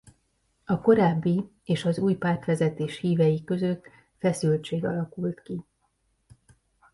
A korábbi és az új pártvezetés hívei között feszültség alakult ki.